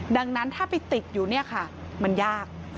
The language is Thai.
ดังนั้นถ้าไปติดอยู่เนี่ยค่ะมันยาก